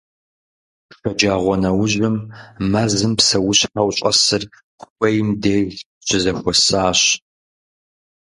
Шэджагъуэнэужьым мэзым псэущхьэу щӀэсыр хуейм деж щызэхуэсащ.